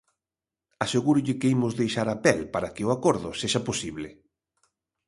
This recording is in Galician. Asegúrolle que imos deixar a pel para que o acordo sexa posible.